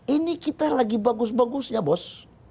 ini kita lagi bagus bagus ya bos